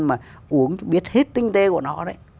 mà uống biết hết tinh tế của nó